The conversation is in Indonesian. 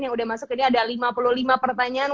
yang udah masuk ini ada lima puluh lima pertanyaan